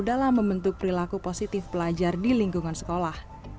dalam membentuk perilaku positif pelajar di lingkungan sekolah